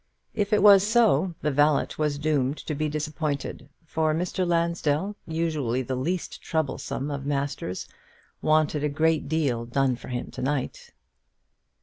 If it was so, the valet was doomed to disappointment; for Mr. Lansdell usually the least troublesome of masters wanted a great deal done for him to night.